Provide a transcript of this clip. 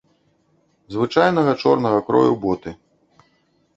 Звычайнага чорнага крою боты.